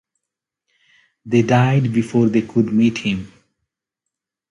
They died before they could meet him.